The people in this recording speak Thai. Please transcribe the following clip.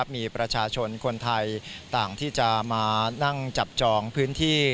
มีประชาชนคนไทยต่างที่จะมานั่งจับจองพื้นที่